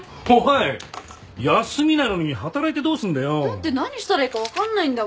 だって何したらいいか分かんないんだもん。